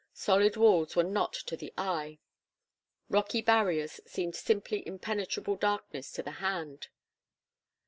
Solid walls were not to the eye; rocky barriers seemed simply impenetrable darkness to the hand.